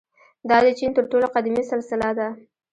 • دا د چین تر ټولو قدیمي سلسله ده.